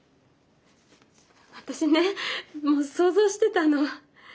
私ねもう想像してたの。